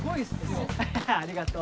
ありがとう。